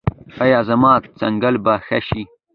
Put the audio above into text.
ایا زما څکل به ښه شي؟